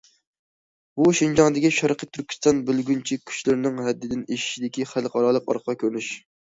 بۇ شىنجاڭدىكى شەرقىي تۈركىستان بۆلگۈنچى كۈچلىرىنىڭ ھەددىدىن ئېشىشىدىكى خەلقئارالىق ئارقا كۆرۈنۈش.